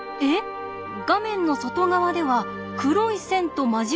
「画面の外側では黒い線と交わるだろう」って？